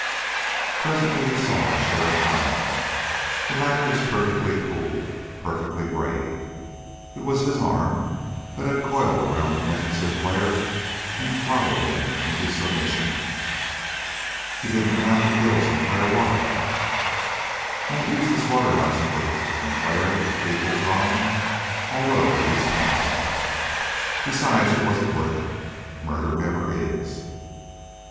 Presently he saw Sheriff Kern. The latter was perfectly cool, perfectly grave. It was his arm that had coiled around the neck of Sinclair and throttled him into submission. "You didn't come out to kill, Sinclair. Why?" "I ain't used to slaughterhouse work," said Sinclair with equal calm, although he was panting. "Besides, it wasn't worth it. Murder never is."